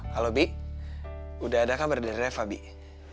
halo bibi udah ada kamar dari reva bibi